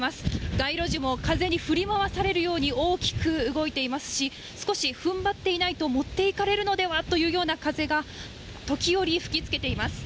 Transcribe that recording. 街路樹も風に振り回されるように大きく動いていますし、少しふんばっていないと持っていかれるのではというような風が、時折吹きつけています。